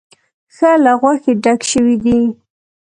ښه له غوښې ډک شوی دی.